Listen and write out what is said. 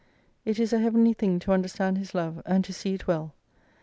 It is a heavenly thing to understand His love, and tb see it well.